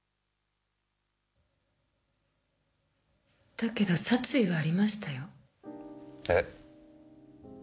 だけど殺意はありましたよ。え？